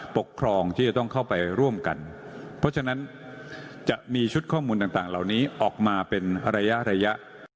ปกครองที่จะต้องเข้าไปร่วมกันเพราะฉะนั้นจะมีชุดข้อมูลต่างเหล่านี้ออกมาเป็นระยะระยะ